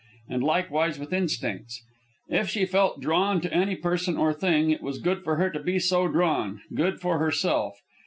And likewise with instincts. If she felt drawn to any person or thing, it was good for her to be so drawn, good for herself.